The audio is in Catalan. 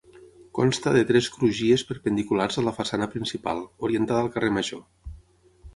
Consta de tres crugies perpendiculars a la façana principal, orientada al carrer Major.